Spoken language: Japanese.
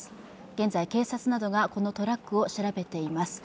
現在、警察などがこのトラックを調べています。